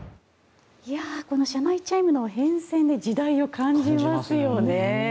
この車内チャイムの変遷で時代を感じますよね。